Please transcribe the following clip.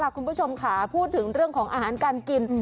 คุณผู้ชมค่ะพูดถึงเรื่องของอาหารการกิน